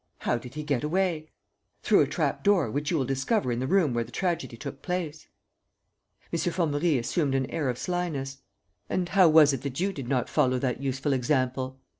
"How did he get away?" "Through a trap door, which you will discover in the room where the tragedy took place." M. Formerie assumed an air of slyness: "And how was it that you did not follow that useful example?"